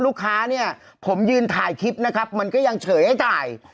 ลูกค้าเนี่ยผมยืนถ่ายคลิปนะครับมันก็ยังเฉยให้ถ่าย